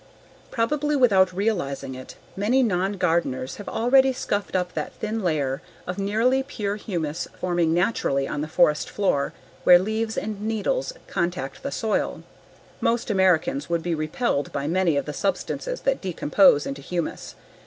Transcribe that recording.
Probably without realizing it, many non gardeners have already scuffed up that thin layer of nearly pure humus forming naturally on the forest floor where leaves and needles contact the soil. Most Americans would be repelled by many of the substances that decompose into humus.